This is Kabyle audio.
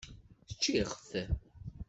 Ččiɣ-t.